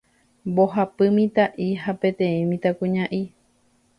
Mbohapy mitã'i ha peteĩ mitãkuña'i.